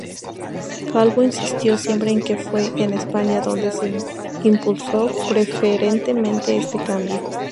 Calvo insistió siempre en que fue en España donde se impulsó preferentemente este cambio.